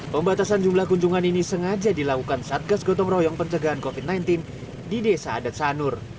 pembatasan jumlah kunjungan ini sengaja dilakukan satgas gotong royong pencegahan covid sembilan belas di desa adat sanur